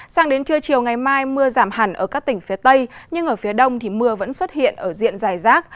sang đến trưa chiều ngày mai mưa giảm hẳn ở các tỉnh phía tây nhưng ở phía đông thì mưa vẫn xuất hiện ở diện dài rác